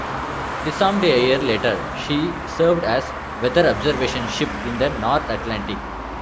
Disarmed a year later, she served as weather observation ship in the North Atlantic.